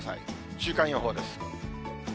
週間予報です。